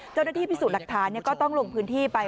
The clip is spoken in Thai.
เจ้าหน้าที่พิสูจน์หลักฐานก็ต้องลงพื้นที่ไป